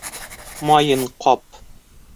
Майын ҡап